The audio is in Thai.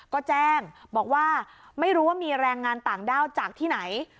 ก็แจ้งบอกว่าไม่รู้ว่ามีแรงงานต่างด้าวจากที่ไหน